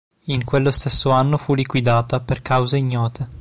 In quello stesso anno fu liquidata, per cause ignote.